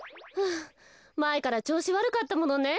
まえからちょうしわるかったものね。